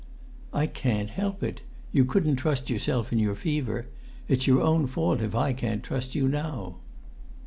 "I can't help it. You couldn't trust yourself in your fever. It's your own fault if I can't trust you now."